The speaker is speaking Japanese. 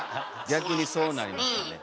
逆にそうなりますよね。